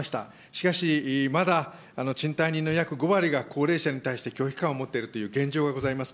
しかしまだ、賃貸人の約５割が高齢者に対して拒否感を持っているという現状がございます。